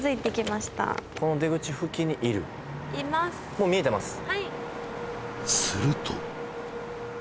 もう見えてます？